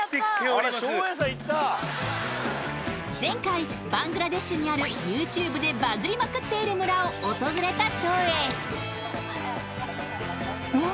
前回バングラデシュにあるＹｏｕＴｕｂｅでバズりまくっている村を訪れた照英うわ